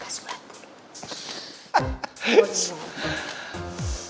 bagas ulet bulu